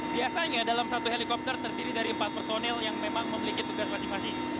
biasanya dalam satu helikopter terdiri dari empat personil yang memang memiliki tugas masing masing